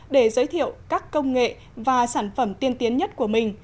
để giới thiệu các công nghệ và sản phẩm tiên tiến nhất của mình